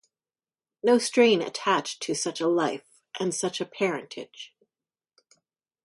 No stain attached to such a life and such a parentage.